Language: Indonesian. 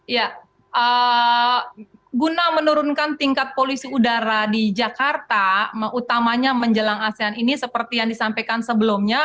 ya guna menurunkan tingkat polusi udara di jakarta utamanya menjelang asean ini seperti yang disampaikan sebelumnya